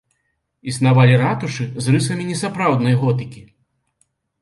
Існавалі ратушы з рысамі несапраўднай готыкі.